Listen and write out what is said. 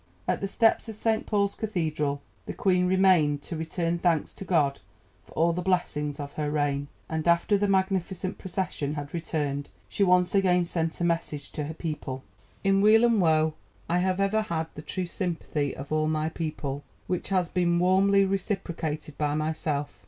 At the steps of St Paul's Cathedral the Queen remained to return thanks to God for all the blessings of her reign, and after the magnificent procession had returned she once again sent a message to her people: "In weal and woe I have ever had the true sympathy of all my people, which has been warmly reciprocated by myself.